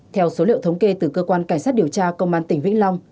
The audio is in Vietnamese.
theo số liệu thống kê từ cơ quan cảnh sát điều tra công an tỉnh vĩnh long